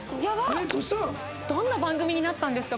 どんな番組になったんですか？